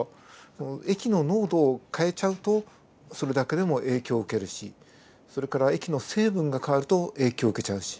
その液の濃度を変えちゃうとそれだけでも影響を受けるしそれから液の成分が変わると影響を受けちゃうし。